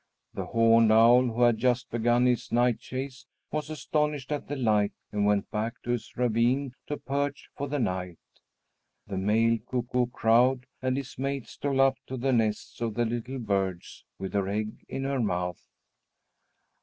The horned owl, who had just begun his night chase, was astonished at the light and went back to his ravine to perch for the night. The male cuckoo crowed, and his mate stole up to the nests of the little birds with her egg in her mouth.